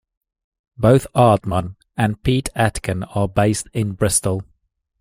Both Aardman and Pete Atkin are based in Bristol.